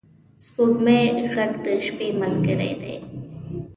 د سپوږمۍ ږغ د شپې ملګری دی.